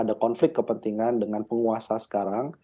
ada konflik kepentingan dengan penguasa sekarang